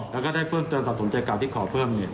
แล้วก็ได้เพิ่มเตือนสนุนใจการที่ขอเพิ่มได้อยู่กับ๑๐คอ